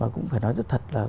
cũng phải nói rất thật là